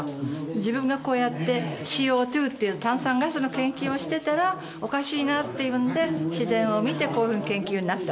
自分がこうやってＣＯ２という炭酸ガスの研究をしていたらおかしいなっていうので自然を見てこういうふうな研究になった。